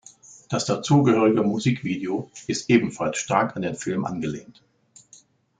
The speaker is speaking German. Das dazugehörige Musikvideo ist ebenfalls stark an den Film angelehnt.